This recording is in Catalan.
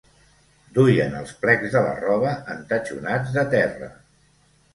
Duien els plecs de la roba entatxonats de terra.